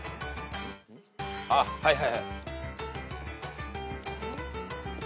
あっはいはい。